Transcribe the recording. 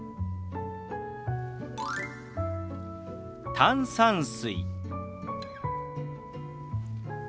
「炭酸水」。